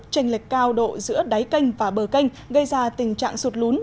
tranh lệch cao độ giữa đáy kênh và bờ kênh gây ra tình trạng sụt lún